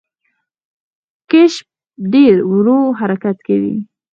کیشپ ډیر ورو حرکت کوي